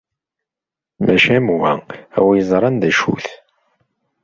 Mačči am wa, a win yeẓran d acu-t.